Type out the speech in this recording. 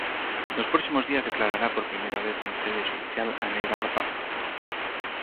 Nos próximos días declarará por primeira vez en sede xudicial a nai da rapaza.